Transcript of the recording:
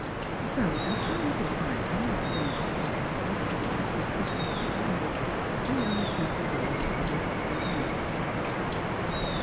So, after a Httle *trifling with the dainty cates Miss Luttrell had hospitably provided, the young people rose for the business of the evening.